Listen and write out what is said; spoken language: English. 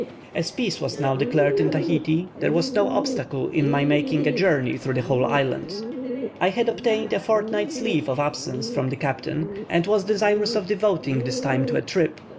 As peace was now declared in Tahiti, there was no obstacle to my making a journey through the whole island. I had obtained a fortnight's leave of absence from the captain, and was desirous of devoting this time to a trip.